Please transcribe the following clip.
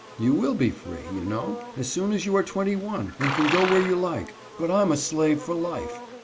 "You will be free, you know, as soon as you are twenty one, and can go where you like, but I am a slave for life.